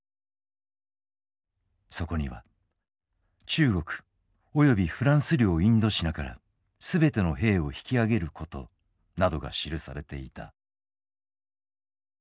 そこには「中国およびフランス領インドシナから全ての兵を引き揚げること」などが記されていた。